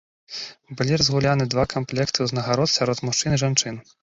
Былі разгуляны два камплекты ўзнагарод сярод мужчын і жанчын.